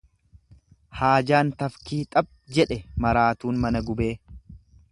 Haajaan tafkii xaph jedhe maraatuun mana gubee.